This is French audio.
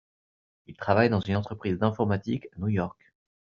Il travaille dans une entreprise d'informatique à New York.